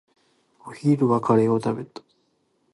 お昼はカレーを食べた。